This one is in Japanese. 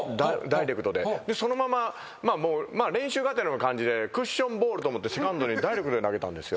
そのまま練習がてらの感じでクッションボールと思ってセカンドにダイレクトで投げたんですよ。